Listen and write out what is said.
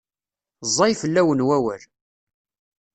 Ẓẓay fell-awen wawal.